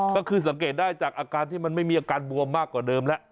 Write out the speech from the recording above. ก็คือสังเกตได้จากอาการที่มันไม่มีอาการบวมมากกว่าเดิมแล้ว